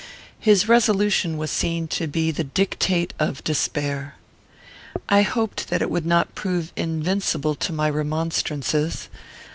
His resolution was seen to be the dictate of despair. I hoped that it would not prove invincible to my remonstrances.